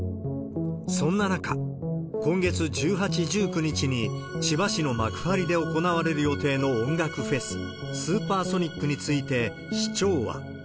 そんな中、今月１８、１９日に千葉市の幕張で行われる予定の音楽フェス、スーパーソニックについて、市長は。